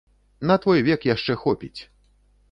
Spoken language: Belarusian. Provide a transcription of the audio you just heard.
На твой век яшчэ хопіць.